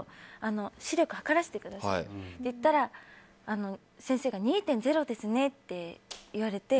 視力測らせてくださいって言ったら先生に２．０ですねって言われて。